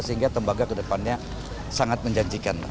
sehingga tembaga kedepannya sangat menjanjikan